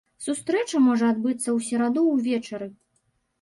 Сустрэча можа адбыцца ў сераду ўвечары.